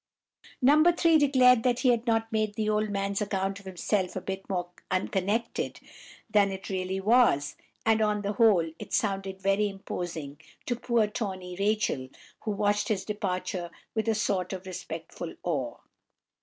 No. 3 declared that he had not made the old man's account of himself a bit more unconnected than it really was, and, on the whole, it sounded very imposing to poor Tawny Rachel, who watched his departure with a sort of respectful awe.